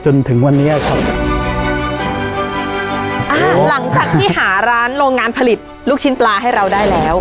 จนถึงวันนี้ครับอ่าหลังจากที่หาร้านโรงงานผลิตลูกชิ้นปลาให้เราได้แล้ว